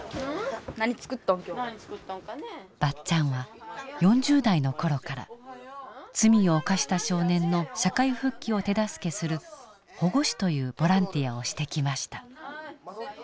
ばっちゃんは４０代の頃から罪を犯した少年の社会復帰を手助けする保護司というボランティアをしてきました。